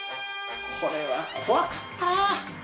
これは怖かった！